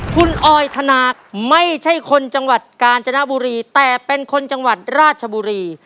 คุณออยธนาคไม่ใช่คนจังหวัดกาญจนบุรีแต่เป็นคนจังหวัดราชบุรี